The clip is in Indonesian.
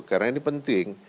karena ini penting